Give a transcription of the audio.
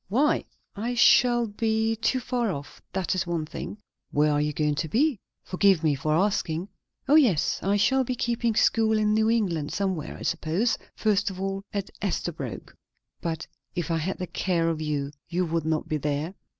"Why?" "I shall be too far off. That is one thing." "Where are you going to be? Forgive me for asking!" "O yes. I shall be keeping school in New England somewhere, I suppose; first of all, at Esterbrooke." "But if I had the care of you you would not be there?"